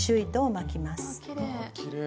わきれい。